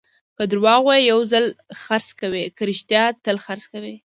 که دروغ ووایې، یو ځل خرڅ کوې؛ که رښتیا، تل خرڅ کوې.